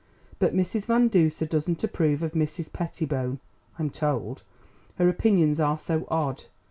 But Mrs. Van Duser doesn't approve of Mrs. Pettibone, I'm told; her opinions are so odd.